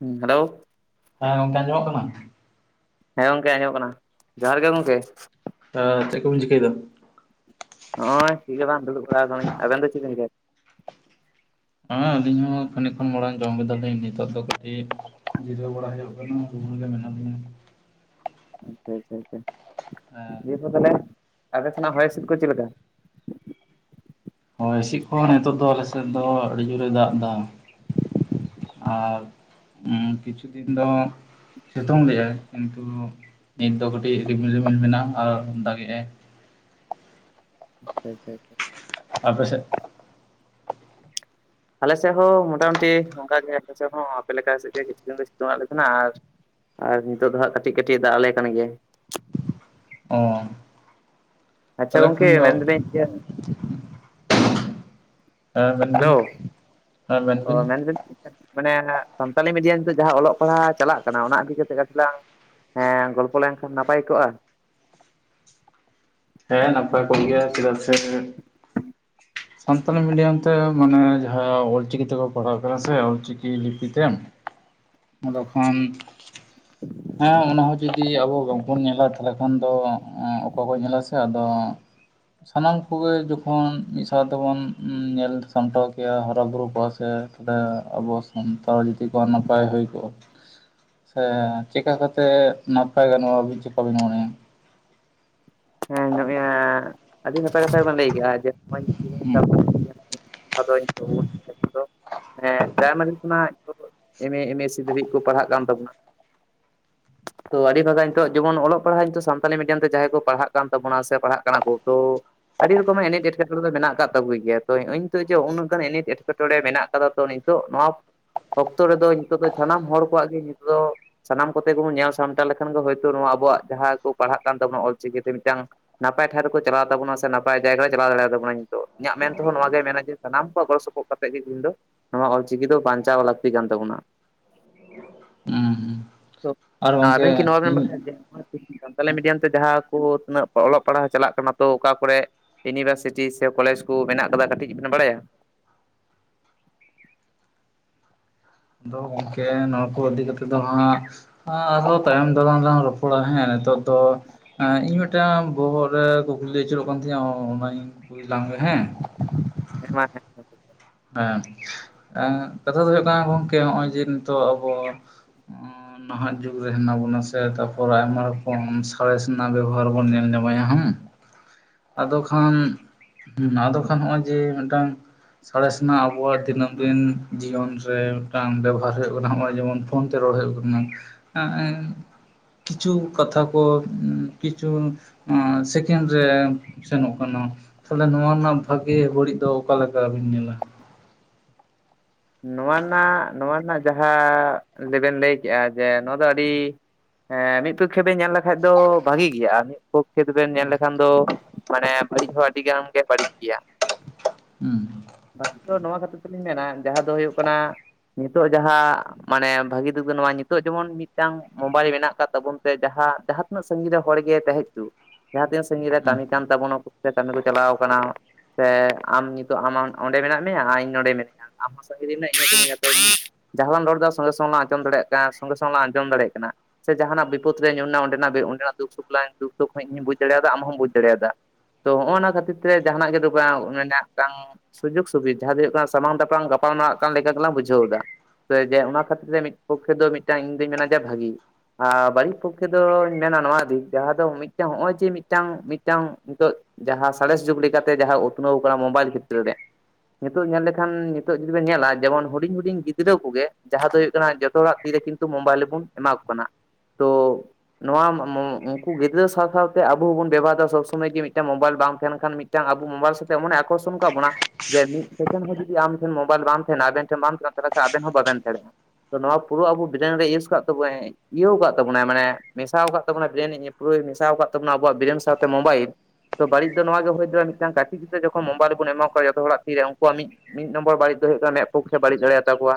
ᱦᱮᱸ ᱦᱮᱞᱳ᱾ ᱦᱮᱸ ᱜᱚᱝᱠᱮ ᱟᱡᱚᱢᱚᱜ ᱠᱟᱱᱟ? ᱦᱮᱸ ᱜᱚᱝᱠᱮ ᱟᱸᱡᱚᱢᱚᱜ ᱠᱟᱱᱟ ᱡᱚᱦᱟᱨ ᱜᱮ ᱜᱚᱢᱠᱮ᱾ ᱪᱮᱫ ᱠᱚᱵᱤᱱ ᱪᱤᱠᱟᱹᱭᱮᱫᱟ? ᱦᱚᱜᱚᱭ ᱪᱮᱫᱜᱼᱮ ᱵᱟᱝ ᱫᱩᱲᱩᱵ ᱵᱟᱲᱟ ᱟᱠᱟᱱᱟᱞᱤᱝ ᱟᱵᱮᱱ ᱫᱚ ᱪᱮᱫ ᱵᱮᱱ ᱦᱮᱸ ᱟᱹᱞᱤᱧ ᱦᱚᱸ ᱛᱟᱹᱱᱤ ᱠᱷᱚᱱ ᱢᱟᱲᱟᱝ ᱡᱚᱢ ᱠᱮᱫᱟᱞᱤᱧ ᱱᱤᱛᱚᱜ ᱫᱚ ᱟᱹᱰᱤ ᱡᱤᱨᱟᱹᱣ ᱵᱟᱲᱟ ᱦᱩᱭᱩᱜ ᱠᱟᱱᱟ ᱨᱩᱢ ᱨᱮ ᱢᱮᱱᱟᱜ ᱞᱤᱧᱟᱹ᱾ ᱟᱪᱪᱷᱟ ᱟᱪᱪᱷᱟ ᱟᱪᱪᱷᱟ ᱦᱮᱸ ᱫᱚ ᱛᱟᱦᱚᱞᱮ ᱟᱯᱮ ᱥᱮᱱᱟᱜ ᱦᱚᱭ ᱦᱤᱸᱥᱤᱫ ᱠᱚ ᱪᱮᱫ ᱞᱮᱠᱟ? ᱦᱳᱭ ᱦᱤᱸᱥᱤᱫ ᱠᱷᱚᱱ ᱱᱤᱛᱚᱜ ᱫᱚ ᱟᱞᱮᱥᱮᱫ ᱫᱚ ᱟᱹᱰᱤ ᱡᱳᱨᱮ ᱫᱟᱜ ᱮᱫᱟ ᱟᱨ- ᱠᱤᱪᱷᱩ ᱫᱤᱱ ᱫᱚ ᱦᱟᱸᱜ᱾ ᱥᱤᱛᱩᱝ ᱞᱮᱭᱟᱭ ᱠᱤᱱᱛᱩ ᱱᱤᱛ ᱫᱚ ᱠᱟᱹᱴᱤᱡ ᱨᱤᱢᱤᱞ ᱢᱮᱱᱟᱜᱼᱟ ᱟᱨ ᱫᱟᱜ ᱜᱮᱟᱭ᱾ ᱟᱪᱷᱟ ᱪᱷᱟ ᱪᱷᱟ᱾ ᱟᱯᱮ ᱥᱮᱫ ᱟᱞᱮ ᱥᱮᱫ ᱦᱚᱸ ᱢᱚᱴᱟᱢᱩᱴᱤ ᱚᱱᱠᱟᱜ ᱜᱮ ᱟᱞᱮ ᱥᱮᱫ ᱦᱚᱸ ᱟᱯᱮ ᱞᱮᱠᱟ ᱥᱮᱫ ᱜᱮ ᱠᱤᱪᱷᱩ ᱫᱤᱱ ᱫᱚ ᱥᱤᱛᱩᱝ ᱫᱚ ᱥᱤᱛᱩᱝᱟᱜ ᱞᱮ ᱛᱟᱦᱮᱱᱟ ᱟᱨ᱾ ᱟᱨ ᱱᱤᱛᱚᱜ ᱫᱚ ᱦᱟᱸᱜ ᱠᱟᱹᱴᱤᱡ ᱠᱟᱹᱴᱤᱡ ᱫᱟᱜ ᱟᱞᱮ ᱠᱟᱱ ᱜᱮᱭᱟᱭ᱾ ᱚ ᱟᱪᱪᱷᱟ ᱛᱟᱦᱚᱞᱮ ᱜᱚᱝᱠᱮ ᱠᱷᱟᱱ ᱫᱚ ᱢᱮᱱ ᱫᱟᱹᱞᱤᱧ ᱡᱮᱼᱼ ᱦᱮᱸ ᱦᱮᱞᱳ ᱢᱮᱱᱵᱤᱱ ᱦᱮᱸ ᱚ ᱢᱮᱱᱵᱤᱱ ᱢᱮᱱᱫᱟᱹᱧᱼᱼ ᱢᱟᱱᱮ ᱥᱟᱱᱛᱟᱞᱤ ᱢᱤᱰᱤᱭᱟᱢᱛᱮ ᱡᱟᱦᱟᱸ ᱚᱞᱚᱜ ᱯᱟᱲᱦᱟᱜ ᱪᱟᱞᱟᱜ ᱠᱟᱱᱟ ᱚᱱᱟ ᱤᱫᱤ ᱠᱟᱛᱮ ᱠᱟᱹᱴᱤᱡ ᱞᱟᱝᱼᱼ ᱦᱮᱸ ᱜᱚᱞᱯᱚ ᱞᱮᱱᱠᱷᱟᱱ ᱱᱟᱯᱟᱭ ᱠᱚᱜᱼᱟ᱾ ᱦᱮᱸ ᱱᱟᱯᱟᱭ ᱠᱚᱜ ᱜᱮᱭᱟ ᱪᱮᱫᱟᱜ ᱥᱮ, [inaudible] ᱥᱟᱱᱛᱟᱲᱤ ᱢᱤᱰᱤᱭᱟᱢ ᱛᱮ ᱢᱟᱱᱮ ᱡᱟᱦᱟᱸ ᱚᱞ ᱪᱤᱠᱤ ᱛᱮᱠᱚ ᱯᱟᱲᱦᱟᱣ ᱠᱟᱱᱟ ᱥᱮ ᱚᱞ ᱪᱤᱠᱤ ᱞᱤᱯᱤ ᱛᱮ᱾ [inaudible] ᱟᱫᱚ ᱦᱮᱸ ᱠᱷᱟᱱ ᱦᱮᱸ ᱚᱱᱟ ᱦᱚᱸ ᱡᱩᱫᱤ ᱟᱵᱚ ᱵᱟᱝ ᱵᱚᱱ ᱧᱮᱞᱟ ᱛᱟᱦᱞᱮ᱾ ᱠᱷᱟᱱ ᱫᱚ ᱚᱠᱚᱭ ᱠᱚ ᱧᱮᱞᱟ ᱥᱮ ᱟᱫᱚ ᱥᱟᱱᱟᱢ ᱠᱚᱜᱮ ᱡᱚᱠᱷᱚᱱ ᱢᱤᱫ ᱥᱟᱶ ᱛᱮᱵᱚᱱ ᱧᱮᱞ ᱥᱟᱢᱴᱟᱣ ᱠᱮᱭᱟ ᱦᱟᱨᱟ ᱵᱩᱨᱩ ᱠᱚᱜ-ᱟ ᱥᱮᱼᱼ ᱛᱟᱦᱚᱞᱮ ᱟᱵᱚ ᱥᱟᱱᱛᱟᱲ ᱡᱩᱫᱤ ᱠᱚ ᱱᱟᱯᱟᱭ ᱦᱩᱭ ᱠᱚᱜᱼᱟ᱾ [inaudible] ᱥᱮ ᱪᱮᱠᱟ ᱠᱟᱛᱮ ᱱᱟᱯᱟᱭ ᱜᱟᱱᱚᱜᱼᱟ ᱟᱵᱤᱱ ᱪᱮᱠᱟ ᱵᱤᱱ ᱢᱚᱱᱮᱭᱟ᱾ ᱦᱮᱸ ᱱᱚᱜᱚᱭ ᱟᱹᱰᱤ ᱱᱟᱯᱟᱭ ᱠᱟᱛᱷᱟ ᱜᱮᱵᱤᱱ ᱞᱟᱹᱭ ᱠᱮᱜᱼᱟ ᱡᱮ ᱱᱚᱜᱼᱚᱭ ᱦᱩᱸ ᱥᱟᱱᱛᱟᱞᱤ ᱢᱤᱰᱭᱟᱢ [unintelligible] ᱟᱫᱚ [unintelligible] ᱦᱮᱸ ᱯᱨᱟᱭᱢᱟᱨᱤ ᱠᱷᱚᱱᱟᱜ ᱮᱢ ᱮ ᱮᱢᱮᱥ ᱥᱤ ᱫᱷᱟᱹᱵᱤᱡ ᱠᱚ ᱯᱟᱲᱦᱟᱹᱜ ᱠᱟᱱ ᱛᱟᱵᱚᱱᱟ᱾ ᱛᱚ ᱟᱹᱰᱤ ᱵᱷᱟᱜᱮ ᱱᱤᱛᱚᱜ ᱡᱮᱢᱚᱱ ᱚᱞᱚᱜ ᱯᱟᱲᱦᱟᱜ ᱱᱤᱛᱚᱜ ᱥᱟᱱᱛᱟᱞᱤ ᱢᱤᱰᱤᱭᱟᱢ ᱛᱮ ᱡᱟᱦᱟᱸᱭ ᱠᱚ ᱯᱟᱲᱦᱟᱜ ᱠᱟᱱ ᱛᱟᱵᱚᱱᱟ ᱥᱮ ᱯᱟᱲᱦᱟᱜ ᱠᱟᱱᱟ ᱠᱚ ᱛᱚ᱾ ᱟᱹᱰᱤ ᱨᱚᱠᱚᱢᱟᱜ ᱮᱱᱮᱴ ᱮᱴᱠᱮᱴᱚᱸᱬᱮ ᱫᱚ ᱢᱮᱱᱟᱜ ᱠᱟᱜ ᱛᱟᱵᱚᱭ ᱜᱮᱭᱟ ᱛᱚ ᱤᱱᱤᱛᱚᱜ ᱡᱮ ᱩᱱᱟᱹᱜ ᱜᱟᱱ ᱮᱱᱮᱴ ᱮᱴᱠᱮᱴᱚᱸᱬᱮ ᱢᱮᱱᱟᱜ ᱠᱟᱫᱟ ᱛᱚ ᱱᱮᱧ ᱱᱤᱛᱚᱜ ᱱᱚᱣᱟ ᱚᱠᱛᱚ ᱨᱮᱫᱚ ᱱᱤᱛᱚᱜ ᱫᱚ ᱥᱟᱱᱟᱢ ᱦᱚᱲ ᱠᱚᱣᱟᱜ ᱜᱮ ᱱᱤᱛᱚᱜ ᱫᱚ ᱥᱟᱱᱟᱢ ᱠᱚᱛᱮ ᱜᱮᱵᱚᱱ ᱧᱮᱞ ᱥᱟᱢᱴᱟᱣ ᱞᱮᱠᱷᱟᱱ ᱜᱮ ᱦᱳᱭᱛᱳ ᱱᱚᱣᱟ ᱟᱵᱚᱣᱟᱜ ᱡᱟᱦᱟᱸ ᱠᱚ ᱯᱟᱲᱦᱟᱜ ᱠᱟᱱ ᱛᱟᱵᱚᱱᱟ ᱚᱞᱪᱤᱠᱤ ᱛᱮ ᱢᱤᱫᱴᱟᱝᱼᱼ ᱱᱟᱯᱟᱭ ᱴᱷᱟᱶ ᱨᱮᱠᱚ ᱪᱟᱞᱟᱣ ᱛᱟᱵᱚᱱᱟ ᱥᱮ ᱱᱟᱯᱟᱭ ᱡᱟᱭᱜᱟ ᱨᱮ ᱪᱟᱞᱟᱣ ᱫᱟᱲᱮᱭᱟᱛᱟᱵᱚᱱᱟ ᱱᱤᱛᱚᱜ ᱤᱧᱟᱹᱜ ᱢᱮᱱ ᱛᱮᱦᱚᱸ ᱱᱚᱣᱟ ᱜᱮ ᱢᱮᱱᱟ ᱡᱮᱼᱼ ᱥᱟᱱᱟᱢ ᱠᱚᱣᱟᱜ ᱜᱚᱲᱚ ᱥᱚᱯᱚᱦᱚᱫ ᱠᱟᱛᱮ ᱜᱮ ᱛᱮᱦᱤᱧ ᱫᱚ ᱱᱚᱣᱟ ᱚᱞ ᱪᱤᱠᱤ ᱫᱚ ᱵᱟᱧᱪᱟᱣ ᱞᱟᱹᱠᱛᱤ ᱠᱟᱱ ᱛᱟᱵᱚᱱᱟ᱾ ᱦᱩᱸ ᱦᱩᱸ᱾ ᱟᱨ ᱜᱚᱝᱠᱮ ᱟᱵᱤᱱ ᱠᱤ ᱱᱚᱣᱟ ᱵᱮᱱ ᱤᱧ ᱵᱟᱲᱟᱭᱟ ᱡᱮ ᱱᱚᱸᱜᱼᱚᱭ ᱛᱮᱦᱮᱧ ᱥᱟᱱᱛᱟᱞᱤ ᱢᱤᱰᱤᱭᱟᱢ ᱛᱮ ᱡᱟᱦᱟ ᱠᱚ ᱩᱱᱟᱹᱜ ᱚᱞᱚᱜ ᱯᱟᱲᱦᱟᱣ ᱪᱟᱞᱟᱜ ᱠᱟᱱᱟ ᱛᱚ ᱚᱠᱟ ᱠᱚᱨᱮᱜ᱾ ᱤᱭᱩᱱᱤᱵᱷᱟᱨᱥᱤᱴᱤ ᱥᱮ ᱠᱚᱞᱮᱡᱽ ᱠᱚ ᱢᱮᱱᱟᱜ ᱠᱟᱫᱟ ᱠᱟᱹᱴᱤᱡ ᱵᱤᱱ ᱵᱟᱲᱟᱭᱟ? ᱟᱫᱚ ᱜᱚᱝᱠᱮ ᱱᱚᱣᱟ ᱠᱚ ᱤᱫᱤ ᱠᱟᱛᱮ ᱫᱚ ᱦᱟᱸᱜᱼᱼ ᱦᱮᱸ ᱟᱨᱦᱚᱸ ᱛᱟᱭᱚᱢ ᱫᱟᱨᱟᱢ ᱞᱟᱝ ᱨᱚᱯᱚᱲᱟ ᱦᱮᱸ ᱱᱤᱛᱚᱜ ᱫᱚ ᱤᱧ ᱢᱤᱫᱴᱟᱝ ᱵᱚᱦᱚᱜ ᱨᱮ ᱠᱩᱠᱞᱤ ᱟᱹᱪᱩᱨᱚᱜ ᱠᱟᱱ ᱛᱤᱧᱟ ᱚᱱᱟᱧ ᱠᱩᱞᱤ ᱞᱟᱝ ᱜᱮ ᱦᱮ᱾ᱸ ᱦᱮᱸ ᱢᱟ ᱦᱮᱸ ᱦᱮᱸ᱾ ᱦᱮᱸ ᱠᱟᱛᱷᱟ ᱫᱚ ᱦᱩᱭᱩᱜ ᱠᱟᱱᱟ ᱜᱚᱝᱠᱮ ᱱᱚᱜ-ᱚᱭ ᱡᱮ ᱱᱤᱛᱚᱜ ᱟᱵᱚᱼᱼ [unintelligible] ᱱᱟᱦᱟᱜ ᱡᱩᱜᱽ ᱨᱮ ᱦᱮᱱᱟᱜ ᱵᱚᱱᱟ ᱥᱮ ᱛᱟᱯᱚᱨ ᱟᱭᱢᱟ ᱨᱚᱠᱚᱢ ᱥᱟᱬᱮᱥ ᱨᱮᱱᱟᱜ ᱵᱮᱵᱚᱦᱟᱨ ᱵᱚᱱ ᱧᱮᱞ ᱧᱟᱢᱟᱭᱟ ᱦᱮᱸ᱾ [unintelligible] ᱟᱫᱚ ᱠᱷᱟᱱ, ᱟᱫᱚ ᱠᱷᱟᱱ ᱦᱚᱜᱼᱚᱭ ᱡᱮ ᱢᱮᱫᱴᱟᱝ ᱥᱟᱬᱮᱥ ᱨᱮᱱᱟᱜ ᱟᱵᱚᱣᱟᱜ ᱫᱤᱱᱟᱹᱢ ᱫᱤᱱ ᱡᱤᱭᱚᱱ ᱨᱮ ᱢᱤᱫᱴᱟᱝ ᱵᱮᱵᱚᱦᱟᱨ ᱦᱩᱭᱩᱜ ᱠᱟᱱᱟ ᱱᱚᱜ-ᱚᱭ ᱡᱮᱢᱚᱱ ᱯᱷᱳᱱ ᱛᱮ ᱨᱚᱲ ᱦᱩᱭᱩᱜ ᱠᱟᱱᱟ ᱮᱸᱼᱼ ᱠᱤᱪᱷᱩ ᱠᱟᱛᱷᱟ ᱠᱚ ᱠᱤᱪᱷᱩᱼᱼ ᱦᱮᱸ ᱥᱮᱠᱮᱱᱰ ᱨᱮ ᱥᱮᱱᱚᱜ ᱠᱟᱱᱟ᱾ ᱛᱟᱦᱚᱞᱮ ᱱᱚᱣᱟ ᱨᱮᱱᱟᱜ ᱵᱷᱟᱜᱮ ᱵᱟᱹᱲᱤᱡ ᱫᱚ ᱚᱠᱟ ᱞᱮᱠᱟ ᱵᱤᱱ ᱧᱮᱞᱟ᱾ ᱱᱚᱣᱟ ᱨᱮᱱᱟᱜ ᱱᱚᱣᱟ ᱨᱮᱱᱟᱜ ᱡᱟᱸᱦᱟ ᱞᱟᱹᱭᱵᱮᱱ ᱞᱟᱹᱭ ᱠᱮᱜᱟ ᱡᱮ ᱱᱚᱣᱟ ᱫᱚ ᱟᱹᱰᱤ- ᱦᱮᱸ ᱢᱤᱫ ᱯᱚᱠᱠᱷᱮ ᱵᱮᱱ ᱧᱮᱞ ᱞᱮᱠᱷᱟᱡ ᱫᱚ ᱵᱷᱟᱜᱤ ᱜᱮᱭᱟ ᱢᱤᱫ ᱯᱚᱠᱷᱮ ᱵᱮᱱ ᱧᱮᱞ ᱞᱮᱠᱷᱟᱱ ᱫᱚ ᱢᱟᱱᱮ ᱵᱟᱹᱲᱤᱡ ᱦᱚᱸ ᱟᱹᱰᱤ ᱜᱟᱱ ᱜᱮ ᱵᱟᱹᱲᱤᱡ ᱜᱮᱭᱟ ᱦᱩᱸ ᱵᱠᱤ ᱫᱚ ᱱᱚᱣᱟ ᱠᱷᱟᱹᱛᱤᱨ ᱛᱮᱞᱤᱧ ᱢᱮᱱᱟ ᱡᱟᱸᱦᱟ ᱫᱚ ᱦᱩᱭᱩᱜ ᱠᱟᱱᱟ ᱱᱤᱛᱚᱜ ᱡᱟᱸᱦᱟ ᱢᱟᱱᱮ ᱵᱷᱟᱹᱜᱤ ᱫᱩᱜᱤ ᱫᱚ ᱱᱚᱣᱟ ᱱᱤᱛᱚᱜ ᱡᱮᱢᱚᱱ ᱢᱤᱫᱴᱟᱝ ᱢᱳᱵᱟᱭᱤᱞ ᱢᱮᱱᱟᱜ ᱟᱠᱟᱫ ᱛᱟᱵᱚᱱ ᱛᱮ ᱡᱟᱸᱦᱟ ᱩᱱᱟᱹᱜ ᱥᱟᱺᱜᱤᱧ ᱨᱮ ᱦᱚᱲ ᱜᱮ ᱛᱟᱦᱮᱸ ᱦᱩᱪᱩ ᱡᱟᱸᱦᱟ ᱛᱤᱱᱟᱜ ᱥᱟᱺᱜᱤᱧ ᱨᱮ ᱦᱩᱸ ᱠᱟᱹᱢᱤ ᱠᱟᱱ ᱛᱟᱵᱚᱱᱟ ᱥᱮ ᱠᱟᱹᱢᱤ ᱠᱚ ᱪᱟᱞᱟᱣ ᱟᱠᱟᱱᱟ ᱥᱮ ᱟᱢ ᱱᱤᱛᱚᱜ ᱟᱢ ᱚᱸᱰᱮ ᱢᱮᱱᱟᱜ ᱢᱮᱭᱟ ᱟᱨ ᱤᱧ ᱱᱚᱸᱰᱮ ᱢᱤᱱᱟᱹᱧᱟ ᱟᱢᱦᱚ ᱥᱟᱺᱜᱤᱧ ᱡᱟᱸᱦᱟ ᱵᱚᱱ ᱨᱚᱲ ᱮᱫᱟ ᱥᱚᱸᱜᱮ ᱥᱚᱝᱜᱮ ᱞᱟᱝ ᱟᱸᱚᱡᱚᱢ ᱫᱟᱲᱮᱭᱟᱜ ᱠᱟᱱᱟ ᱥᱚᱸᱜᱮ ᱥᱚᱸᱜᱮ ᱞᱟᱝ ᱟᱸᱡᱚᱢ ᱫᱟᱲᱭᱟᱜ ᱠᱟᱱᱟ ᱥᱮ ᱡᱟᱦᱟᱱᱟᱜ ᱵᱤᱯᱚᱫ ᱨᱮ ᱧᱩᱨᱱᱟ ᱚᱸᱰᱮᱱᱟᱜ ᱚᱸᱰᱮᱱᱟᱜ ᱫᱩᱠ ᱥᱩᱠ ᱫᱩᱠ ᱥᱩᱠ ᱤᱧ ᱦᱩᱧ ᱵᱩᱡ ᱫᱟᱲᱭᱟᱫᱟ ᱟᱢ ᱦᱚᱢ ᱵᱩᱡᱽ ᱫᱟᱲᱮᱭᱟᱫᱟ ᱛᱚ ᱱᱚᱜᱱᱚᱣᱟ ᱠᱷᱟᱹᱛᱤᱨ ᱛᱮ ᱡᱟᱦᱱᱟᱜ ᱜᱮ ᱵᱟᱝ ᱢᱮᱫᱴᱟᱝ ᱥᱩᱡᱳᱜᱽ ᱥᱩᱵᱤᱫᱷᱟ ᱡᱟᱸᱦᱟ ᱫᱚ ᱦᱩᱭᱩᱜ ᱠᱟᱱᱟ ᱥᱟᱢᱟᱝ ᱫᱟᱯᱨᱟᱢ ᱜᱟᱯᱟᱞᱢᱟᱨᱟᱣ ᱠᱟᱱ ᱞᱮᱠᱟ ᱜᱮᱞᱟᱝ ᱵᱩᱡᱷᱟᱹᱣ ᱮᱫᱟ ᱡᱮ ᱚᱱᱟ ᱠᱷᱟᱹᱛᱤᱨ ᱛᱮ ᱢᱤᱫ ᱯᱚᱠᱠᱷᱮ ᱫᱚ ᱢᱤᱫᱴᱟᱝ ᱤᱧ ᱫᱩᱧ ᱢᱮᱱᱟ ᱡᱮ ᱵᱷᱟᱹᱜᱤ ᱟᱨ ᱵᱟᱹᱲᱤᱡ ᱯᱚᱠᱠᱷᱮ ᱫᱚᱧ ᱢᱮᱱᱟ ᱱᱚᱣᱟ ᱫᱤᱠ ᱡᱟᱸᱦᱟ ᱫᱚ ᱱᱚᱜ ᱚᱭ ᱡᱮ ᱢᱤᱫᱴᱟᱝ ᱢᱤᱫᱴᱟᱝ ᱱᱤᱛᱚᱜ ᱡᱟᱸᱦᱟ ᱥᱟᱬᱮᱥ ᱡᱩᱜᱽ ᱞᱮᱠᱟᱛᱮ ᱡᱟᱸᱦᱟ ᱩᱛᱱᱟᱹᱣ ᱠᱟᱱᱟ ᱢᱳᱵᱟᱭᱤᱞ ᱠᱷᱮᱛᱨᱮ ᱨᱮ ᱱᱤᱛᱚᱜ ᱧᱮᱞ ᱞᱮᱠᱷᱟᱱ ᱱᱤᱛᱚᱜ ᱡᱩᱫᱤ ᱵᱮᱱ ᱧᱮᱞᱟ ᱡᱮᱢᱚᱱ ᱦᱩᱸᱰᱤᱧ ᱦᱩᱸᱰᱤᱧ ᱜᱤᱫᱽᱨᱟ ᱠᱚᱜᱮ ᱡᱟᱸᱦᱟ ᱫᱚ ᱦᱳᱭᱤᱜ ᱠᱟᱱᱟ ᱡᱷᱚᱛᱚ ᱦᱚᱲᱟᱜ ᱛᱤᱨᱮ ᱠᱤᱱᱛᱩ ᱢᱳᱵᱟᱭᱤᱞ ᱵᱚᱱ ᱮᱢᱟ ᱠᱚ ᱠᱟᱱᱟ ᱛᱳ ᱱᱚᱣᱟ ᱩᱱᱠᱩ ᱜᱤᱫᱽᱨᱟᱹ ᱥᱟᱶ ᱥᱟᱶᱛᱮ ᱟᱵᱚ ᱦᱚᱸᱵᱚᱱ ᱵᱮᱵᱚᱦᱟᱨᱫᱟ ᱥᱚᱵ ᱥᱚᱢᱚᱭ ᱜᱮ ᱢᱤᱫᱴᱟᱱ ᱢᱳᱵᱟᱭᱤᱞ ᱵᱟᱝ ᱛᱟᱦᱮᱱ ᱠᱷᱟᱱ ᱢᱤᱫᱴᱟᱝ ᱟᱵᱚ ᱢᱳᱵᱟᱭᱤᱞ ᱥᱟᱛᱮᱜ ᱮᱢᱚᱱᱮ ᱟᱠᱚᱨᱥᱚᱱ ᱟᱠᱟᱫ ᱵᱚᱱᱟ ᱡᱮ ᱢᱤᱫ ᱥᱮᱠᱮᱱᱰ ᱦᱚᱸ ᱡᱩᱫᱤ ᱟᱢ ᱮᱱ ᱢᱳᱵᱟᱭᱤᱞ ᱵᱟᱝ ᱛᱟᱦᱮᱱᱟ ᱟᱵᱮᱱ ᱴᱮᱱ ᱵᱟ ᱵᱟᱝ ᱛᱟᱸᱦᱮᱱᱟ ᱛᱟᱦᱚᱞᱮ ᱠᱷᱟᱱ ᱟᱵᱮᱱ ᱦᱚᱸ ᱵᱟᱵᱮᱱ ᱫᱟᱲᱭᱟᱜᱼᱟ ᱛᱚ ᱱᱚᱣᱟ ᱯᱩᱨᱟᱹ ᱟᱵᱚ ᱵᱮᱨᱮᱱ ᱨᱮ ᱤᱭᱩᱥ ᱠᱟᱜ ᱛᱵᱚᱱᱟ ᱦᱮᱡ ᱤᱭᱟᱹᱣ ᱟᱠᱟᱫ ᱛᱟᱵᱚᱱᱟ ᱢᱟᱱᱮ ᱢᱮᱥᱟᱣ ᱟᱠᱟᱫ ᱛᱟᱵᱚᱱᱟᱭ ᱤᱭᱟ ᱯᱩᱨᱟᱹᱭ ᱢᱮᱥᱟᱣ ᱟᱠᱟᱫ ᱛᱟᱵᱚᱱᱟ ᱟᱵᱚᱣᱟᱜ ᱵᱨᱮᱱ ᱥᱟᱶᱛᱮ ᱢᱳᱵᱟᱭᱤᱞ ᱛᱚ ᱵᱟᱹᱲᱤᱡ ᱫᱚ ᱱᱚᱣᱟ ᱜᱮ ᱦᱩᱭ ᱫᱟᱲᱮᱭᱟᱜ ᱢᱤᱫᱴᱟᱝ ᱠᱟᱹᱴᱤᱡ ᱜᱤᱫᱽᱨᱟᱹ ᱡᱚᱠᱷᱚᱱ ᱢᱳᱵᱟᱭᱤᱞ ᱵᱚᱱ ᱮᱢᱟ ᱠᱚᱣᱟ ᱡᱷᱚᱛᱚ ᱦᱚᱲᱟᱜ ᱛᱤᱨᱮ ᱩᱱᱠᱩᱣᱟᱜ ᱢᱤᱫ ᱢᱤᱫ ᱱᱚᱢᱵᱚᱨ ᱵᱟᱹᱲᱤᱡ ᱫᱚ ᱦᱩᱭᱩᱜ ᱠᱟᱱᱟ ᱢᱮᱫ ᱯᱳᱠᱷᱮ ᱵᱟᱹᱲᱤᱡ ᱫᱟᱲᱮᱭᱟᱜ ᱛᱟᱠᱚᱣᱟ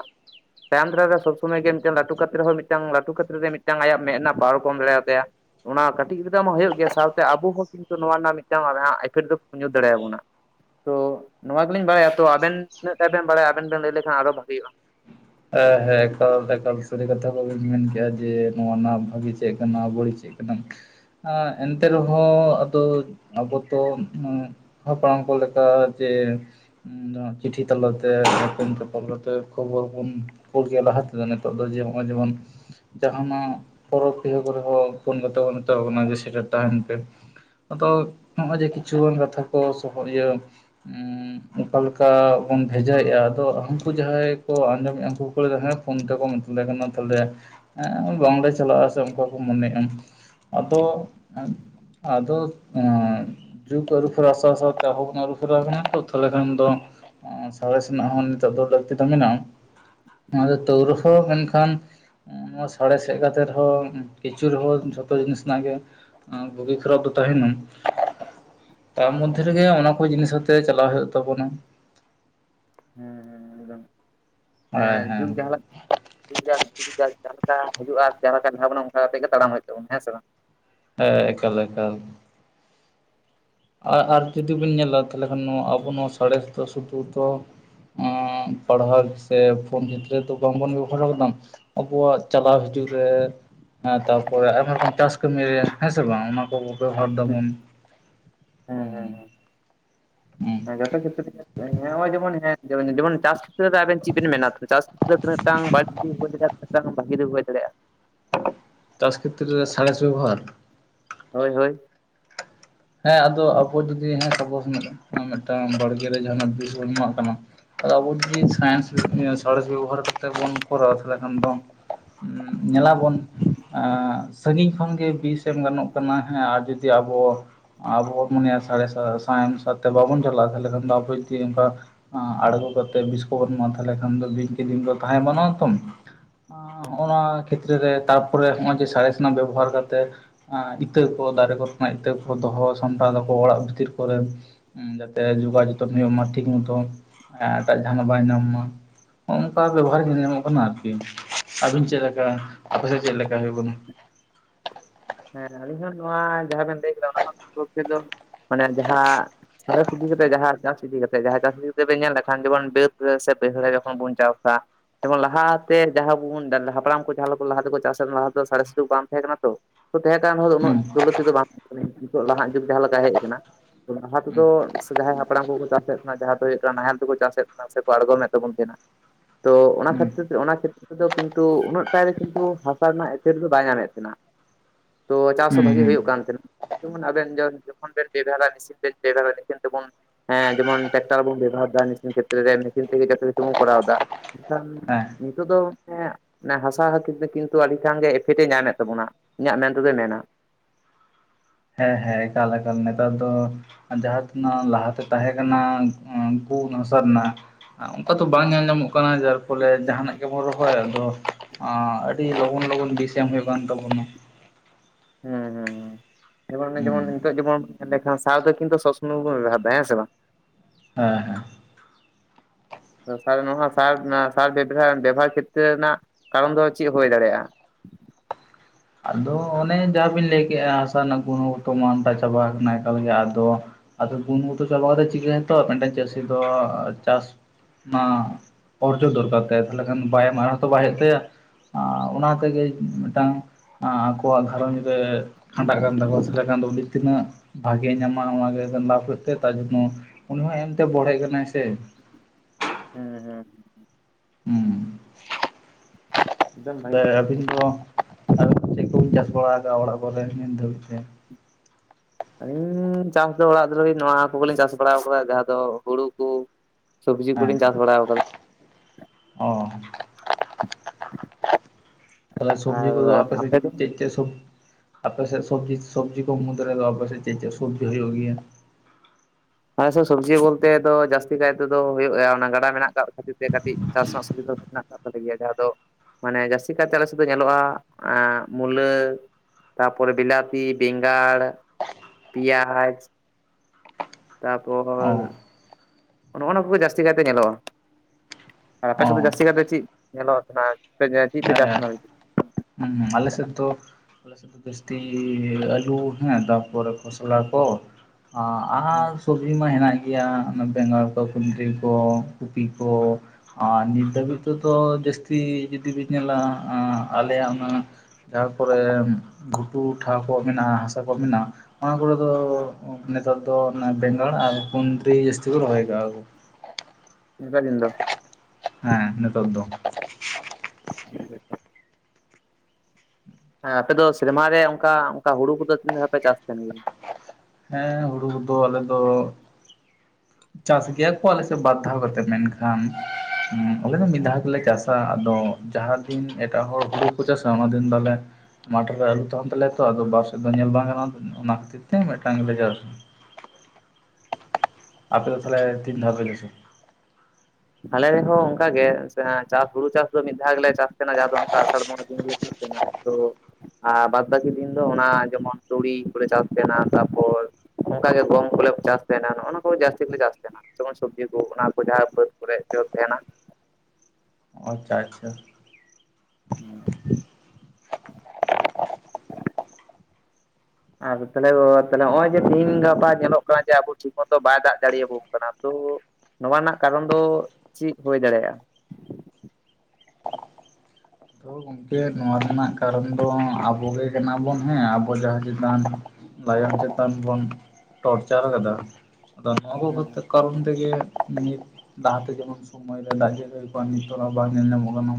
ᱛᱟᱭᱚᱢ ᱫᱟᱨᱟ ᱨᱮ ᱥᱚᱵᱽ ᱥᱚᱢᱚᱭ ᱜᱮ ᱢᱤᱫᱴᱟᱝ ᱞᱟᱹᱴᱩ ᱠᱷᱮᱛᱨᱮ ᱨᱮᱦᱚ ᱢᱤᱫᱴᱟᱝ ᱞᱟᱹᱴᱩ ᱠᱷᱮᱛᱨᱮ ᱨᱮ ᱢᱤᱫᱴᱟᱝ ᱟᱭᱟᱜ ᱢᱮᱫ ᱨᱮᱱᱟᱜ ᱯᱟᱣᱨ ᱠᱚᱢ ᱫᱟᱲᱮ ᱟᱛᱟᱭᱟ ᱚᱱᱟ ᱠᱟᱹᱴᱤᱡ ᱜᱤᱫᱽᱨᱟᱹ ᱢᱟ ᱦᱩᱭᱩᱜ ᱜᱮᱭᱟ ᱥᱟᱶᱛᱮ ᱟᱵᱚ ᱦᱚᱸ ᱛᱩ ᱱᱚᱣᱟ ᱨᱮᱱᱟᱜ ᱢᱤᱫᱴᱟᱝ ᱤᱯᱷᱮᱠᱴ ᱫᱚ ᱧᱩᱨ ᱫᱟᱲᱮ ᱭᱟᱵᱚᱱᱟ ᱛᱚ ᱱᱚᱣᱟ ᱜᱮᱞᱤᱧ ᱵᱟᱲᱟᱭᱟ ᱛᱚ ᱟᱵᱮᱱ ᱩᱱᱟᱹᱴᱟ ᱵᱮᱱ ᱵᱟᱲᱟᱭ ᱟᱵᱮᱱ ᱵᱮᱱ ᱞᱟᱹᱭ ᱞᱮᱠᱷᱟᱱ ᱟᱨᱦᱚ ᱵᱷᱟᱹᱜᱮ ᱦᱩᱭᱩᱜᱼᱟ ᱦᱮ ᱦᱮᱸ ᱮᱠᱟᱞ ᱮᱠᱟᱞ ᱥᱟᱹᱨᱤ ᱠᱟᱛᱷᱟ ᱵᱮᱱ ᱢᱮᱱ ᱠᱮᱫᱟ ᱡᱮ ᱱᱚᱣᱟ ᱨᱮᱱᱟᱜ ᱵᱷᱟᱹᱜᱤ ᱪᱮᱫ ᱠᱟᱱᱟ ᱵᱟᱹᱲᱤᱡ ᱪᱮᱫ ᱮᱱᱛᱮ ᱨᱮᱦᱚᱸ ᱟᱫᱚ ᱟᱵᱚ ᱛᱚ ᱦᱟᱯᱲᱟᱢ ᱠᱚ ᱞᱮᱠᱟ ᱡᱮ ᱪᱤᱴᱷᱤ ᱛᱟᱞᱟᱛᱮ ᱮᱯᱮᱢᱪᱟᱯᱟᱞ ᱠᱟᱛᱮ ᱠᱷᱚᱵᱚᱨ ᱵᱚᱱ ᱠᱩᱞ ᱠᱮᱭᱟ ᱞᱟᱦᱟ ᱛᱮᱫᱚ ᱱᱤᱛᱚᱜ ᱫᱚ ᱡᱮ ᱱᱚᱜᱼᱚᱭ ᱡᱮᱢᱚᱱ ᱡᱟᱦᱱᱟᱜ ᱯᱚᱨᱚᱵᱽ ᱯᱤᱦᱟᱹ ᱠᱚᱨᱮ ᱦᱚᱸ ᱯᱷᱳᱱ ᱠᱟᱛᱮ ᱵᱚᱱ ᱢᱮᱛᱟ ᱟᱠᱚ ᱠᱟᱱᱟ ᱥᱮᱴᱮᱨ ᱛᱟᱦᱮᱱ ᱯᱮ ᱟᱫᱚ ᱱᱚᱜᱼᱚᱭ ᱡᱮ ᱠᱤᱪᱷᱩᱜᱟᱱ ᱠᱟᱛᱷᱟ ᱠᱚ ᱥᱚᱦᱚᱡᱮ ᱚᱠᱟᱞᱮᱠᱟ ᱵᱚᱱ ᱵᱷᱮᱡᱟᱭᱮᱫᱼᱟ ᱟᱫᱚ ᱩᱱᱠᱩ ᱡᱟᱸᱦᱟᱭ ᱠᱚ ᱩᱱᱠᱩ ᱠᱚ ᱞᱟᱭ ᱫᱟ ᱯᱷᱳᱱ ᱛᱮᱠᱚ ᱢᱮᱛᱟᱞᱮ ᱠᱟᱱᱟ ᱛᱟᱦᱚᱞᱮ ᱮᱸ ᱵᱟᱝᱞᱮ ᱪᱟᱞᱟᱜᱼᱟ ᱥᱮ ᱚᱱᱠᱟ ᱠᱚ ᱢᱚᱱᱮᱜᱼᱟ ᱟᱫᱚ ᱟᱫᱚ ᱮᱸ ᱡᱩᱜᱽ ᱟᱹᱨᱩᱯᱷᱮᱨᱟ ᱥᱟᱶ ᱥᱟᱶᱛᱮ ᱟᱵᱚ ᱦᱚᱵᱚᱱ ᱟᱹᱨᱩᱯᱷᱮᱨᱣ ᱟᱠᱟᱱᱟ ᱛᱚ ᱛᱟᱦᱚᱞᱮ ᱠᱷᱟᱱ ᱫᱚ ᱥᱟᱬᱮᱥ ᱨᱮᱱᱟᱜ ᱦᱚᱸ ᱱᱤᱛᱚᱜ ᱫᱚ ᱞᱟᱹᱠᱛᱤ ᱫᱚ ᱢᱮᱱᱟᱜᱼᱟ ᱱᱚᱣᱟ ᱫᱚ ᱛᱟᱹᱣᱨᱮᱦᱚᱸ ᱢᱮᱱᱠᱷᱟᱱ ᱱᱚᱣᱟ ᱥᱟᱬᱮᱥ ᱦᱮᱡ ᱠᱟᱛᱮᱜ ᱨᱮᱦᱚᱸ ᱠᱤᱪᱩ ᱨᱮᱦᱚᱸ ᱡᱷᱚᱛᱚ ᱡᱤᱱᱤᱥ ᱨᱮᱱᱟᱜ ᱜᱮ ᱵᱩᱜᱤ ᱠᱷᱟᱨᱟᱯ ᱫᱚ ᱛᱟᱦᱮᱸᱱᱟ ᱛᱟᱨ ᱢᱚᱫᱫᱷᱮ ᱨᱮᱜᱮ ᱚᱱᱟ ᱠᱚ ᱡᱤᱱᱤᱥ ᱟᱛᱮ ᱪᱟᱞᱟᱣ ᱦᱩᱭᱩᱜ ᱛᱟᱵᱚᱱᱟ ᱦᱮᱸ ᱦᱮᱸ ᱦᱮᱸ ᱡᱩᱜᱽ ᱡᱟᱸᱦᱟ ᱠᱩᱜᱽ ᱡᱟᱸᱦᱟ ᱞᱮᱠᱟ ᱦᱤᱡᱩᱜᱼᱟ ᱡᱟᱸᱦᱟ ᱞᱮᱠᱟ ᱮᱢᱟ ᱵᱚᱱᱟ ᱚᱱᱠᱟ ᱠᱟᱛᱮ ᱜᱮ ᱛᱟᱲᱢ ᱦᱩᱭᱩᱜ ᱛᱟᱵᱚᱱᱟ ᱦᱮᱸ ᱥᱮ ᱵᱟᱝ ᱦᱮᱸ ᱮᱠᱟᱞ ᱮᱠᱟᱞ ᱟᱨ ᱟᱨ ᱡᱩᱫᱤ ᱵᱤᱱ ᱧᱮᱞᱟ ᱛᱟᱦᱚᱞᱮ ᱠᱷᱟᱱ ᱱᱚᱣᱟ ᱟᱵᱚ ᱱᱚᱣᱟ ᱥᱟᱬᱮᱥ ᱫᱚ ᱥᱩᱫᱩ ᱛᱚ ᱯᱟᱲᱦᱟᱣ ᱥᱮ ᱯᱷᱳᱱ ᱠᱷᱮᱛᱨᱮ ᱫᱚ ᱵᱟᱝᱵᱚᱱ ᱵᱮᱵᱚᱦᱟᱨ ᱟᱠᱟᱫᱟ ᱟᱵᱚᱣᱟᱜ ᱦᱮᱸ ᱪᱟᱞᱟᱣ ᱦᱤᱡᱩᱜ ᱨᱮ ᱛᱟᱯᱚᱨ ᱟᱭᱢᱟ ᱨᱚᱠᱚᱢ ᱪᱟᱥ ᱠᱟᱹᱢᱤᱤ ᱨᱮ ᱦᱮᱸ ᱥᱮ ᱵᱟᱝ ᱚᱱᱟ ᱠᱚ ᱵᱮᱵᱚᱦᱟᱨ ᱦᱮᱸ ᱫᱟᱵᱚᱱ ᱦᱮᱸ ᱦᱩᱸ ᱦᱩᱸ ᱦᱮᱸ ᱡᱚᱛᱚ ᱠᱷᱮᱛᱚᱭ ᱡᱮᱢᱚᱱ ᱦᱮᱸ ᱡᱮᱮᱢᱚᱱ ᱪᱟᱥ ᱠᱷᱮᱛᱨᱮ ᱟᱵᱮᱱ ᱪᱮᱫᱵ ᱵᱮᱱ ᱢᱮᱱᱟᱚ ᱪᱟᱥ ᱢᱤᱫᱴᱟᱝ ᱵᱟᱹᱲ ᱫ ᱦᱩᱭ ᱫᱟᱲᱮᱼᱟ ᱢᱤᱫᱴᱟᱝ ᱵᱷᱟᱜᱤ ᱫ ᱦᱩᱭ ᱫᱟᱲᱮᱭᱟᱜᱼᱟ ᱪᱟᱥ ᱠᱷᱮᱛᱨᱮ ᱥᱟᱬ ᱵᱮᱵᱚᱦᱟᱨ ᱦᱳᱭ ᱦᱳᱭ ᱦᱮᱸ ᱟᱫᱚ ᱟᱵᱚ ᱡᱩᱚᱫᱤ ᱦᱮᱸ ᱟᱵᱚ ᱢᱤᱫᱴᱟᱝ ᱵᱟᱲᱜᱮ ᱨᱮ ᱡᱟᱦᱱᱟᱜ ᱵᱚᱱ ᱮᱢᱟᱜ ᱠᱟᱱᱟ ᱟᱵᱚ ᱡᱩᱫᱤ ᱥᱟᱬᱮᱱᱥ ᱥᱟᱬᱮᱥ ᱵᱮᱵᱚᱦᱟᱨ ᱠᱟᱛᱮᱮᱫ ᱵᱚᱱ ᱠᱚᱨᱟᱣᱟ ᱛᱟᱦᱚᱞᱮ ᱠᱷᱟᱱ ᱫᱚ ᱦᱩᱸ ᱧᱮᱞᱟᱵᱚᱱ ᱥᱟᱺᱜᱤᱧ ᱠᱷᱚᱱᱜᱮ ᱵᱤᱥ ᱮᱢ ᱜᱟᱱᱚᱜ ᱠᱟᱱᱟ ᱦᱮᱸ ᱟᱨ ᱡᱩᱫᱤ ᱟᱵᱚ ᱟᱵᱚ ᱵᱚᱱ ᱢᱚᱱᱮᱭᱟ ᱥᱟᱲᱮ ᱥᱟᱛᱛᱮ ᱵᱟᱵᱚᱱ ᱪᱟᱞᱟᱜᱼᱟ ᱛᱟᱦᱚᱞᱮ ᱠᱷᱟᱱ ᱫᱚ ᱟᱵᱚ ᱡᱚᱫᱫᱤ ᱚᱱᱠᱟ ᱟᱬᱜᱚ ᱠᱟᱛᱮᱜ ᱵᱤᱥ ᱠᱚᱵᱚᱱ ᱮᱣᱟ ᱛᱟᱦᱞᱮ ᱠᱷᱟᱱ ᱫᱚ ᱵᱤᱧᱠᱮ ᱫᱤᱱ ᱫᱚ ᱛᱟᱦᱮᱸ ᱵᱟᱱᱟᱩᱜ ᱟ ᱛᱚ ᱚᱱᱟ ᱠᱷᱮᱛᱨᱮ ᱨᱮ ᱛᱟᱨᱯᱚᱨᱮ ᱱᱚᱜ ᱚᱚᱭ ᱡᱮ ᱥᱟᱲᱮᱥᱱᱟᱜ ᱵᱮᱵᱚᱦᱟᱨ ᱠᱟᱛᱮ ᱤᱛᱟᱹ ᱠᱚ ᱫᱟᱨᱮ ᱠᱚᱨᱮᱱᱟᱜ ᱤᱛᱟᱹ ᱠᱚ ᱫᱚᱦᱚ ᱥᱟᱢᱴᱟᱣ ᱫᱟᱠᱚ ᱚᱲᱟᱜ ᱵᱷᱤᱛᱤᱨ ᱠᱚᱨᱮ ᱡᱟᱛᱮ ᱡᱚᱜᱟᱣ ᱡᱚᱛᱚᱱ ᱦᱩᱭᱩᱜ ᱢᱟ ᱴᱷᱤᱠ ᱢᱚᱛᱚ ᱦᱮᱸ ᱮᱴᱟᱜ ᱡᱟᱦᱟᱱᱟᱜ ᱵᱟᱭ ᱧᱟᱢ ᱢᱟ ᱱᱚᱝᱠᱟ ᱵᱮᱵᱚᱦᱟᱨ ᱜᱮ ᱧᱮᱞ ᱧᱟᱢᱚᱜ ᱠᱟᱱᱟ ᱟᱨᱠᱤ ᱟᱹᱵᱤᱱ ᱪᱮᱫᱠᱟ ᱟᱯᱮ ᱥᱮᱫ ᱪᱮᱫ ᱞᱮᱠᱟ ᱦᱩᱭᱩᱜ ᱠᱟᱱᱟ ᱦᱮᱸ ᱟᱹᱞᱤᱧ ᱦᱚᱸ ᱱᱚᱣᱟ ᱡᱟᱦᱟᱸ ᱵᱮᱱ ᱞᱟᱹᱭ ᱠᱮᱫᱟ ᱚᱱᱟ ᱦᱚᱸ ᱯᱚᱨᱟ ᱯᱩᱨᱤ ᱫᱚ ᱢᱟᱱᱮ ᱡᱟᱦᱟᱸ ᱟ ᱤᱫᱤ ᱠᱟᱛᱮ ᱡᱟᱦᱟᱸ ᱪᱟᱥ ᱤᱫᱤ ᱠᱟᱛᱮ ᱡᱟᱦᱟᱸ ᱪᱟᱥ ᱤᱫᱤ ᱠᱟᱛᱮᱵ ᱧᱮᱞ ᱞᱮᱠᱷᱟᱱ ᱡᱮᱢᱚᱱ ᱵᱟᱹᱫ ᱥᱮ ᱵᱟᱹᱭᱦᱟᱹᱲ ᱨᱮ ᱡᱚᱠᱷᱚᱱ ᱵᱚᱱ ᱪᱟᱥᱟ ᱡᱮᱢᱚᱱ ᱞᱟᱦᱟᱛᱮ ᱡᱟᱦᱟᱸ ᱵᱚᱱ ᱦᱟᱯᱲᱟᱢ ᱠᱚ ᱡᱟᱦᱟᱸ ᱞᱟᱦᱟ ᱛᱮᱠᱚ ᱪᱟᱥ ᱞᱟᱦᱟ ᱥᱟᱬᱮᱥ ᱵᱟᱝ ᱛᱟᱦᱮᱸ ᱠᱟᱱᱟ ᱛᱚ ᱛᱚ ᱛᱟᱦᱮᱸ ᱠᱟᱱᱟᱱ ᱨᱮᱦᱚᱸ ᱦᱩᱸ ᱩᱱᱟᱹᱜᱱᱚᱛ ᱫᱚ ᱵᱟᱝ ᱱᱤᱛᱚᱜ ᱞᱟᱦᱟᱜ ᱡᱩᱜᱽ ᱡᱟᱦᱟᱸᱮ ᱞᱮᱠᱟ ᱦᱮᱡ ᱟᱠᱟᱱᱟ ᱞᱟᱦᱟ ᱛᱮᱫᱚ ᱦᱩᱸ ᱥᱮ ᱡᱟᱦᱟᱸᱭ ᱦᱟᱯᱲᱟᱢ ᱠᱚᱠᱚ ᱪᱟᱥᱮᱫ ᱛᱟᱦᱮᱸᱟᱸ ᱫᱚ ᱦᱩᱭᱩᱜ ᱠᱟᱱᱟ ᱱᱟᱦᱮᱞ ᱛᱮᱠᱚ ᱪᱟᱥᱮᱫ ᱛᱟᱦᱮᱸ ᱠᱚ ᱟᱬᱜᱚᱢᱮᱫ ᱛᱟᱵᱚᱱ ᱛᱟᱦᱮᱱᱟ ᱛᱚ ᱚᱱᱟ ᱠᱷᱟᱹᱛᱤᱨ ᱛᱮ ᱫᱚ ᱠᱤᱱᱛᱩ ᱩᱱᱟᱹᱜ ᱴᱟᱭ ᱨᱮ ᱠᱤᱱᱛᱩ ᱦᱟᱥᱟ ᱨᱮᱱᱟᱜ ᱮᱯᱷᱮᱴ ᱫᱚ ᱵᱟᱭ ᱧᱟᱢᱮᱫ ᱛᱟᱦᱮᱱᱟ ᱛᱚ ᱪᱟᱥ ᱦᱚᱸ ᱦᱩᱸ ᱵᱷᱟᱜᱤ ᱦᱩᱸ ᱦᱩᱭᱩᱜ ᱠᱟᱱ ᱛᱟᱦᱮᱸ ᱡᱮᱢᱚᱱ ᱟᱵᱮᱱ ᱡ ᱡᱚᱠᱷ ᱵᱮᱱ ᱵᱮᱮᱵᱮᱞᱟ ᱱᱥᱤᱱ ᱵᱮᱮᱵᱮ ᱱᱤᱱ ᱫᱚᱵᱚᱱ ᱦᱮᱸ ᱡᱮᱢᱚᱱ ᱴᱨᱟᱠᱴᱟᱨ ᱵᱚᱱ ᱵᱮᱵᱚᱦᱟᱨ ᱫᱟ ᱢᱮᱥᱤᱱ ᱠᱷᱮᱛᱨᱮ ᱨᱮ ᱢᱮᱥᱤᱱ ᱛᱮᱜᱮ ᱡᱚᱛᱚ ᱠᱤᱪᱩ ᱵᱚᱱ ᱠᱚᱨᱟᱣ ᱮᱫᱟ ᱦᱮᱸ ᱱᱤᱛᱚᱜ ᱫᱚ ᱦᱟᱥᱟ ᱦᱟᱹᱠᱮᱛ ᱫᱚ ᱠᱤᱱᱛᱩ ᱟᱹᱰᱤ ᱠᱷᱟᱱᱜ ᱜᱮ ᱮᱯᱷᱮᱠᱮ ᱧᱟᱢᱮᱫ ᱛᱟᱵᱚᱱᱟ ᱤᱧᱟᱹᱜ ᱢᱮᱱᱛᱮᱫᱚᱭ ᱢᱮᱱᱟ ᱦᱮᱸ ᱦᱮᱸ ᱮᱠᱟᱞ ᱮᱠᱟᱞ ᱱᱮᱛᱟᱨ ᱫᱚ ᱟᱨ ᱡᱟᱦᱟᱸ ᱛᱤᱱᱟᱹᱜ ᱞᱟᱦᱟᱛᱮ ᱛᱟᱦᱮᱸ ᱠᱟᱱᱟ ᱩᱱᱠᱩ ᱦᱟᱥᱟ ᱨᱮᱱᱟᱜ ᱚᱱᱠᱟ ᱛᱚ ᱵᱟᱝ ᱧᱮᱞ ᱧᱟᱢᱚᱜ ᱠᱟᱱᱟ ᱡᱟᱨ ᱯᱷᱚᱞᱮ ᱡᱟᱦᱟᱱᱟᱜ ᱮᱵᱚᱱ ᱨᱚᱦᱚᱭ ᱟᱫᱚ ᱟᱹᱰᱤ ᱞᱚᱜᱚᱱ ᱞᱚᱜᱚᱱ ᱫᱤᱥ ᱮᱢ ᱦᱩᱭᱩᱜ ᱠᱟᱱ ᱛᱟᱵᱚᱱᱟ ᱦᱩᱸ ᱦᱩᱸ ᱦᱩᱸ ᱵ ᱡ ᱡᱚᱱ ᱦᱮᱸ ᱞᱮ ᱥᱟ ᱫᱚ ᱠᱤᱱᱛᱩ ᱥᱚᱥᱥᱢ ᱵᱮᱵᱫᱟ ᱦᱮᱸ ᱥᱮ ᱵᱟᱝ ᱦᱮᱸ ᱦᱮᱸ ᱥᱟᱨ ᱱᱚᱣᱟ ᱥᱟᱨ ᱥᱟᱨ ᱵᱮᱵᱚᱦᱟᱨ ᱠᱷᱮᱛᱨᱮ ᱨᱮᱱᱟᱜ ᱠᱟᱨᱚᱱ ᱫᱚ ᱪᱮᱫ ᱦᱩᱭᱳᱭ ᱫᱟᱲᱮᱭᱟᱜᱼᱟ ᱟᱫᱚ ᱚᱱᱮ ᱡᱟᱵᱤᱱ ᱞᱟᱹᱭ ᱠᱮᱫᱮᱜᱼᱟ ᱦᱟᱥᱟ ᱨᱮᱱᱟᱜ ᱜᱩᱱᱚᱛᱚ ᱢᱟᱱᱴᱟ ᱪᱟᱵᱟ ᱠᱟᱱᱟ ᱮᱠᱟᱞᱜᱮ ᱟᱫᱚ ᱟᱫᱚ ᱜᱩᱱ ᱜᱩᱴᱩ ᱪᱟᱵᱟ ᱠᱟᱛᱮᱫ ᱪᱤᱠᱟᱹᱭ ᱛᱚ ᱢᱤᱫᱴᱟᱝ ᱪᱟᱹᱥᱤ ᱫᱚ ᱪᱟᱥ ᱚᱱᱟ ᱚᱨᱡᱚ ᱫᱚᱨᱠᱟᱨ ᱛᱟᱭᱟ ᱛᱟᱦᱚᱞᱮ ᱠᱷᱟᱱ ᱵᱟᱭ ᱟᱨᱛᱚ ᱵᱟᱭ ᱦᱩᱭᱩᱜ ᱛᱟᱭᱟ ᱟᱨ ᱚᱱᱟ ᱛᱮᱜᱮ ᱢᱤᱫᱴᱟᱝ ᱟᱠᱚᱣᱟᱜ ᱜᱷᱟᱨᱚᱸᱡᱽ ᱨᱮ ᱠᱷᱟᱸᱰᱟᱜ ᱠᱟᱱ ᱛᱟᱠᱚᱣᱟ ᱛᱟᱦᱞᱮ ᱠᱷᱟᱱ ᱫᱚ ᱟᱹᱰᱤ ᱛᱤᱱᱟᱹᱜ ᱵᱷᱟᱜᱮ ᱧᱟᱢᱟ ᱚᱱᱟᱜᱮ ᱞᱟᱵᱷ ᱦᱩᱭᱩᱜ ᱛᱮ ᱛᱟᱨ ᱡᱚᱱᱚ ᱩᱱᱤ ᱦᱚᱸ ᱮᱢᱛᱮ ᱵᱚᱲᱦᱮᱡ ᱠᱟᱱᱟᱭ ᱥᱮ ᱦᱮᱸ ᱦᱮᱸ ᱦᱮᱸ ᱮᱠᱫᱚᱢ ᱵᱷᱟᱜᱮ ᱠᱟᱛᱷᱟ ᱵᱮᱱ ᱞᱟᱹᱭ ᱠᱮᱫᱟ᱾ ᱟᱹᱵᱤᱱ ᱫᱚ ᱪᱮᱫ ᱠᱚᱵᱤᱱ ᱪᱟᱥ ᱵᱟᱲᱟ ᱟᱠᱟᱜ ᱚᱲᱟᱜ ᱠᱚᱨᱮ ᱱᱤᱛ ᱫᱷᱟᱹᱵᱤᱡ ᱛᱮ ᱟᱹᱞᱤᱧ ᱪᱟᱥ ᱫᱚ ᱚᱲᱟᱜ ᱫᱩᱣ ᱱᱚᱣᱟ ᱠᱚᱜᱮᱞᱤᱧ ᱪᱟᱥ ᱵᱟᱲᱟᱣ ᱟᱠᱟᱫᱟ ᱡᱟᱦᱟᱸ ᱫᱚ ᱦᱩᱲᱩ ᱠᱚ ᱥᱚᱵᱽᱡᱤ ᱦᱮᱸ ᱠᱚᱞᱤᱧ ᱪᱟᱥ ᱵᱟᱲᱟ ᱟᱠᱟᱫᱟ ᱚ ᱛᱟᱦᱚᱞᱮ ᱥᱚᱵᱽᱡᱤ ᱟᱨ ᱠᱚᱫᱚ ᱟᱯᱮ ᱥᱮᱫ ᱫᱚ? ᱪᱮᱫ ᱪᱮᱫ ᱥᱚᱵ ᱟᱯᱮ ᱥᱮᱫ ᱥᱚᱵᱽᱡᱤ ᱥᱚᱵᱽᱡᱤ ᱠᱚ ᱢᱩᱫᱽ ᱨᱮ ᱫᱚ ᱟᱯᱮᱥᱮᱫ ᱪᱮᱫ ᱪᱮᱫ ᱥᱚᱵᱽᱡᱤ ᱦᱳᱭᱳᱜ ᱜᱮᱭᱟ ᱟᱞᱮ ᱥᱮᱫ ᱥᱚᱵᱽᱡᱤ ᱵᱚᱞᱛᱮ ᱫᱚ ᱡᱟᱹᱥᱛᱤ ᱠᱟᱭ ᱛᱮᱫᱚ ᱦᱩᱭᱩᱜᱼᱟ ᱚᱱᱟ ᱜᱟᱰᱟ ᱢᱮᱱᱟᱜ ᱠᱟᱜ ᱠᱷᱟᱹᱛᱤᱨ ᱛᱮ ᱠᱟᱹᱴᱤᱡ ᱪᱟᱥ ᱨᱮᱱᱟᱜ ᱥᱩᱵᱤᱫᱟ ᱢᱮᱱᱟᱜ-ᱟ ᱜᱮᱭᱟ ᱡᱟᱦᱟᱸ ᱫᱚ ᱢᱟᱱᱮ ᱡᱟᱹᱥᱛᱤ ᱠᱟᱭᱛᱮ ᱟᱞᱮ ᱥᱮᱫ ᱫᱚ ᱧᱮᱞᱚᱜᱼᱟ ᱮ ᱢᱩᱞᱟᱹ ᱛᱟᱯᱚᱨᱮ ᱵᱤᱞᱛᱤ ᱵᱮᱸᱜᱟᱲ ᱯᱮᱭᱟᱡᱽ ᱛᱟᱯᱚᱨ ᱚ ᱱᱚᱜᱱᱟ ᱠᱚᱜᱮ ᱡᱟᱹᱥᱛᱤ ᱠᱟᱭᱛᱮ ᱧᱮᱞᱚᱜᱼᱟ ᱟᱨ ᱟᱯᱮ ᱚ ᱥᱮᱫ ᱡᱟᱹᱥᱛᱤ ᱜᱟᱨ ᱛᱮ ᱪᱮᱫ ᱧᱮᱞᱚᱜ ᱛᱟᱦᱮᱫ-ᱟ ᱪᱮᱫ ᱯᱮ ᱪᱟᱥ ᱛᱟᱦᱮᱱ-ᱟ ᱦᱮᱸ ᱟᱞᱮ ᱥᱮᱫ ᱫᱚ ᱡᱟᱹᱥᱛᱤ ᱟᱹᱞᱩ ᱦᱮᱸ ᱛᱟᱯᱚᱨᱮ ᱠᱷᱚᱥᱞᱟ ᱠᱚ ᱟ ᱟᱨ ᱦᱮᱸ ᱥᱚᱵᱽᱡᱤ ᱢᱟ ᱦᱮᱱᱟᱜ ᱜᱮᱭᱟ ᱚᱱᱟ ᱵᱮᱸᱜᱟᱲ ᱠᱚ ᱠᱩᱫᱽᱨᱤ ᱠᱚ ᱠᱚᱯᱤ ᱠᱚ ᱟᱨ ᱱᱤᱛ ᱫᱷᱟᱹᱵᱤᱡ ᱛᱮᱫᱚ ᱡᱟᱹᱥᱛᱤ ᱡᱩᱫᱤ ᱵᱤᱱ ᱧᱮᱞᱟ ᱟᱞᱮᱭᱟᱜ ᱚᱱᱟ ᱛᱟᱯᱚᱨᱮ ᱜᱷᱩᱴᱩ ᱴᱷᱟᱶ ᱠᱚ ᱢᱮᱱᱟᱜᱼᱟ ᱦᱟᱥᱟ ᱠᱚ ᱢᱮᱱᱟᱜᱼᱟ ᱚᱱᱟ ᱠᱚᱨᱮ ᱫᱚ ᱦᱮᱸ ᱱᱮᱛᱟᱨ ᱫᱚ ᱚᱱᱟ ᱵᱮᱸᱜᱟᱲ ᱟᱨ ᱠᱩᱫᱽᱨᱤ ᱡᱟᱹᱥᱛᱤ ᱠᱚ ᱨᱚᱦᱚᱭ ᱠᱟᱜ ᱠᱚ [unintelligible] ᱦᱮᱸ ᱱᱤᱛᱚᱜ ᱫᱚ [unintelligible] ᱦᱮᱸ ᱟᱯᱮ ᱫᱚ ᱥᱮᱨᱢᱟ ᱨᱮ ᱚᱱᱠᱟ ᱚᱱᱠᱟ ᱦᱩᱲᱩ ᱠᱚᱫᱚ ᱛᱤᱱ ᱫᱷᱟᱣ ᱯᱮ ᱪᱟᱥ ᱛᱟᱦᱮᱱ ᱜᱮᱭᱟ ᱦᱮᱸ ᱦᱩᱲᱩ ᱠᱚᱫᱚ ᱟᱞᱮ ᱫᱚ [unintelligible] ᱪᱟᱥ ᱜᱮᱭᱟ ᱠᱚ ᱟᱞᱮᱥᱮᱫ ᱵᱟᱨ ᱫᱷᱟᱣ ᱠᱟᱛᱮᱫ ᱢᱮᱱᱠᱷᱟᱱ ᱟᱞᱮ ᱫᱚ ᱢᱤᱫ ᱫᱷᱟᱣ ᱜᱮᱞᱮ ᱪᱟᱥᱟ ᱟᱫᱚ ᱡᱟᱦᱟᱸ ᱫᱤᱱ ᱮᱴᱟᱜ ᱦᱚᱲ ᱦᱩᱲᱩ ᱠᱚ ᱪᱟᱥᱟ ᱚᱱᱟ ᱫᱤᱱ ᱟᱞᱮ ᱢᱟᱴ ᱨᱮ ᱟᱹᱞᱩ ᱛᱟᱦᱮᱱ ᱛᱟᱞᱮᱭᱟ ᱛᱚ ᱟᱫᱚ ᱵᱟᱨ ᱥᱮᱫ ᱫᱚ ᱧᱮᱞ ᱵᱟᱝ ᱜᱟᱱᱚᱜ-ᱟ ᱚᱱᱟ ᱠᱷᱟᱹᱛᱤᱨ ᱛᱮ ᱟᱯᱮ ᱫᱚ ᱛᱟᱦᱚᱞᱮ ᱛᱤᱱ ᱵᱟᱨ ᱫᱷᱟᱣ ᱯᱮ ᱪᱟᱥ ᱟ ᱟᱞᱮ ᱨᱮᱦᱚᱸ ᱚᱱᱠᱟ ᱜᱮ ᱥᱮ ᱪᱟᱥ ᱦᱩᱲᱩ ᱪᱟᱥ ᱫᱚ ᱢᱤᱫ ᱫᱷᱟᱣ ᱜᱮᱞᱮ ᱪᱟᱥ ᱛᱟᱦᱮᱱᱟ ᱡᱟᱦᱟᱸ ᱫᱚ ᱚᱱᱠᱟ ᱟᱥᱟᱲ ᱵᱚᱸᱜᱟ ᱫᱤᱱ ᱱᱚᱛᱮ ᱱᱟᱜ ᱫᱚ ᱟᱨ ᱵᱟᱫ ᱵᱟᱹᱠᱤ ᱫᱤᱱ ᱫᱚ ᱚᱱᱟ ᱡᱮᱢᱚᱱ ᱛᱩᱲᱤ ᱠᱚᱞᱮ ᱪᱟᱥ ᱛᱟᱦᱮᱱᱟ ᱛᱟᱯᱚᱨ ᱚᱱᱠᱟ ᱜᱮ ᱜᱚᱢ ᱠᱚᱞᱮ ᱪᱟᱥ ᱛᱟᱦᱮᱱᱟ ᱱᱚᱜᱱᱟ ᱠᱚ ᱡᱟᱹᱥᱛᱤ ᱜᱮᱞᱮ ᱪᱟᱥ ᱛᱟᱦᱮᱱᱟ ᱡᱮᱢᱚᱱ ᱥᱚᱵᱽᱡᱤ ᱠᱚ ᱚᱱᱟ ᱠᱚ ᱡᱟᱦᱟᱸ ᱠᱚᱨᱮᱪᱩᱨ ᱛᱟᱦᱮᱱᱟ ᱟᱪᱪᱷᱟ ᱟᱪᱪᱷᱟ ᱦᱩᱸ ᱟᱫᱚ ᱛᱟᱦᱚᱞᱮ ᱱᱚᱜᱼᱚᱭ ᱡᱮ ᱛᱮᱦᱤᱧ ᱜᱟᱯᱟ ᱧᱮᱞᱚᱜ ᱠᱟᱱᱟ ᱡᱮ ᱟᱵᱚ ᱴᱷᱤᱠ ᱢᱚᱛᱚ ᱵᱟᱭ ᱫᱟᱜ ᱫᱟᱲᱮᱭᱟᱵᱚᱱ ᱠᱟᱱᱟ ᱛᱚ ᱱᱚᱣᱟ ᱨᱮᱱᱟᱜ ᱠᱟᱨᱚᱱ ᱫᱚ ᱪᱮᱫ ᱦᱩᱭ ᱫᱟᱲᱮᱭᱟᱜᱼᱟ? ᱛᱚ ᱜᱚᱝᱠᱮ ᱱᱚᱣᱟ ᱨᱮᱱᱟᱜ ᱠᱟᱨᱚᱱ ᱫᱚ ᱟᱵᱚᱜ ᱜᱮ ᱠᱟᱱᱟ ᱵᱚᱱ ᱦᱮᱸ ᱟᱵᱚ ᱡᱟᱦᱟᱸ ᱪᱮᱛᱟᱱ ᱞᱟᱭᱚᱝ ᱪᱮᱛᱟᱱ ᱵᱚᱱ ᱴᱚᱨᱪᱟᱨ ᱟᱠᱟᱫᱟ ᱱᱚᱣᱟ ᱠᱚ ᱦᱮᱸ ᱦᱚᱛᱮ ᱠᱟᱨᱚᱱ ᱛᱮᱜᱮ ᱱᱤᱛ ᱞᱟᱦᱟᱛᱮ ᱡᱮᱢᱚᱱ ᱥᱚᱢᱚᱭ ᱨᱮ ᱫᱟᱜ ᱡᱟᱹᱲᱤ ᱠᱚᱜᱼᱟ ᱱᱤᱛᱚᱜ ᱢᱟ ᱵᱟᱝ ᱧᱮᱞ ᱧᱟᱢᱚᱜ ᱠᱟᱱᱟ